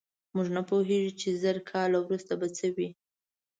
موږ نه پوهېږو، چې زر کاله وروسته به څه وي.